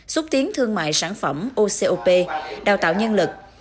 xúc tiến thương mại sản phẩm ocop đào tạo nhân lực